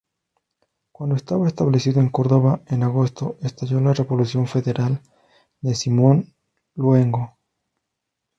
Cuando estaba establecido en Córdoba, en agosto, estalló la revolución federal de Simón Luengo.